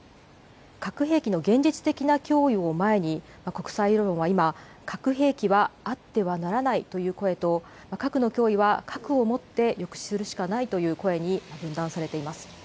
核兵器の現実的な脅威を前に、国際世論は今、核兵器はあってはならないという声と、核の脅威は核をもって抑止するしかないという声に分断されています。